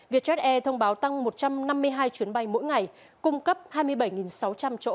vietjet air thông báo tăng một trăm năm mươi hai chuyến bay mỗi ngày cung cấp hai mươi bảy sáu trăm linh chỗ cho hành khách